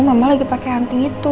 mama lagi pake anting itu ya